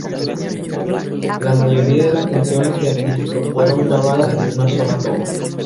La mayoría de las canciones del disco fueron grabadas en una sola toma.